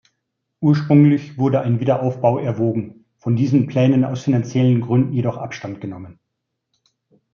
Ursprünglich wurde ein Wiederaufbau erwogen, von diesen Plänen aus finanziellen Gründen jedoch Abstand genommen.